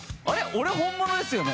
俺本物ですよね？